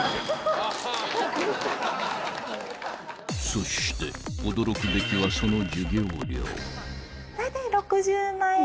［そして驚くべきはその］